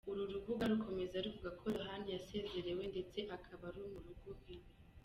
Uru rubuga rukomeza ruvuga ko Lohan yasezerewe ndetse akaba ari mu rugo iwe.